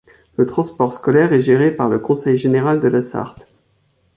Le transport scolaire est géré par le conseil général de la Sarthe.